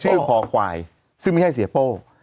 คอควายซึ่งไม่ใช่เสียโป้